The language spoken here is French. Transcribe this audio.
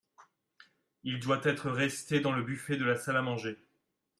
Il doit être resté dans le buffet de la salle à manger.